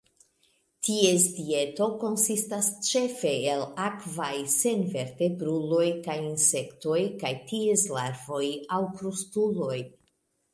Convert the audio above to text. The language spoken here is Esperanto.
Ties dieto konsistas ĉefe el akvaj senvertebruloj kiaj insektoj kaj ties larvoj, aŭ krustuloj.